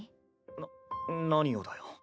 な何をだよ。